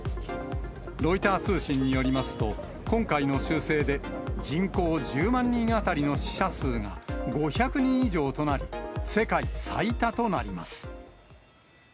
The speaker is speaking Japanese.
ロイター通信によりますと、今回の修正で人口１０万人当たりの死者数が、５００人以上となり、世界最多となります。